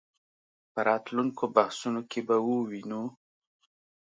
په راتلونکو بحثونو کې به ووینو.